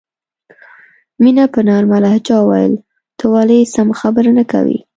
مینه په نرمه لهجه وویل ته ولې سمه خبره نه کوې